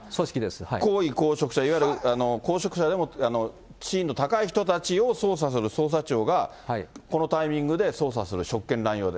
高位公職者、いわゆる公職者でも地位の高い人たちを捜査する捜査庁が、このタイミングで捜査する、職権乱用で。